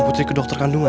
gue bakal bales semua